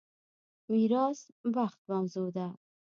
میراث بخت موضوع ده.